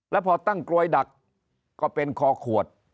แล้วพอตั้งกลวยดักก็เป็นคอขวด